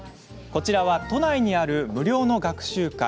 こちらは都内にある無料の学習会。